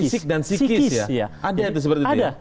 fisik dan psikis ya ada itu seperti itu ya